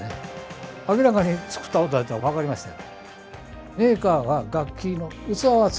明らかに作った音だって分かりましたよ。